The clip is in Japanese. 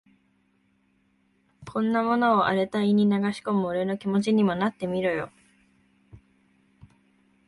こんなものを荒れた胃に流し込む俺の気持ちにもなってみろよ。